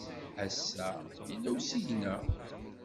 Ass-a, yella usigna.